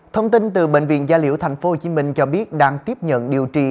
thông tin từ bệnh viện gia liễu tp hcm cho biết đang tiếp nhận điều trị